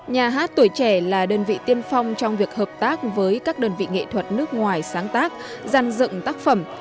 nhà hát tuổi trẻ là đơn vị tiên phong trong việc hợp tác với các đơn vị nghệ thuật nước ngoài sáng tác gian dựng tác phẩm